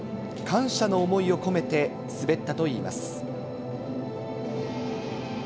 感謝の思いを込めて、滑ったといいます。